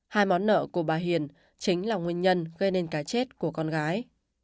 hai món nợ của bà hiền chính là nguyên nhân gây nên cái chết của con gái